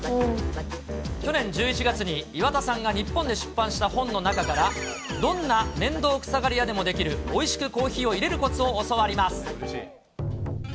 去年１１月に岩田さんが日本で出版した本の中からどんな面倒くさがり屋でもできるおいしくコーヒーをいれるこつを教わります。